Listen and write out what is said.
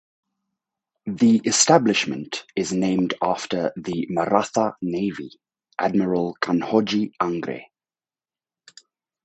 The establishment is named after the Maratha Navy Admiral Kanhoji Angre.